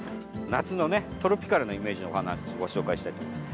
夏のね、トロピカルなイメージのお花をご紹介したいと思います。